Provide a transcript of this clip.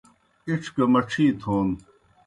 اِڇھ گہ مڇھی تھون